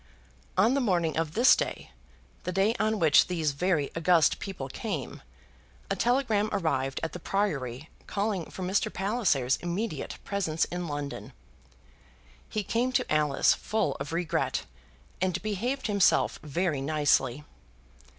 On the morning of this day, the day on which these very august people came, a telegram arrived at the Priory calling for Mr. Palliser's immediate presence in London. He came to Alice full of regret, and behaved himself very nicely.